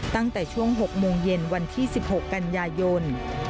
ตั้งแต่ช่วง๑๐๐๐นวันที่๑๖กันยายน